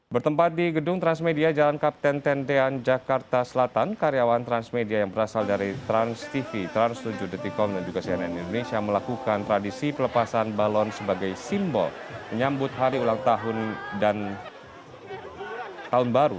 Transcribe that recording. bertempat di gedung transmedia jalan kapten tentean jakarta selatan karyawan transmedia yang berasal dari transtv trans tujuh detikom dan juga cnn indonesia melakukan tradisi pelepasan balon sebagai simbol menyambut hari ulang tahun dan tahun baru